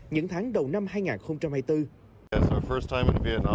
những tháng đầu năm hai nghìn hai mươi bốn